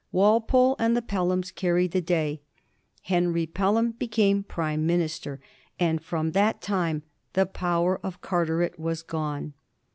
Walpole and the Pelhams carried the day ; Henry Pelham became Prime minister, and from that time the power of Carteret was gone.